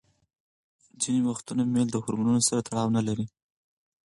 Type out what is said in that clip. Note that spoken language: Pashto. ځینې وختونه میل د هورمونونو سره تړاو نلري.